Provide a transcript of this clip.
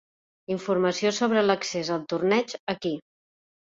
Informació sobre l'accés al torneig aquí.